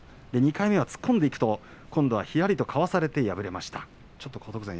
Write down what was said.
２回目突っ込んでいってひらりとかわされて敗れました。